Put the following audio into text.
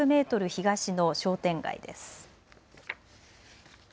東の商店街です。